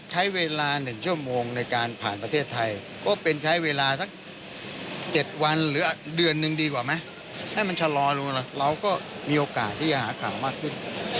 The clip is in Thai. เพราะเป็นใช้เวลาสักเจ็ดวันหรือเดือนหนึ่งดีกว่าไม่ถ้ามันชะลอยรู้เราก็มีโอกาสที่จะถ้าเขามากทิ้ง